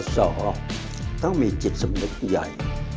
สอต้องมีจิตสำนึกใหญ่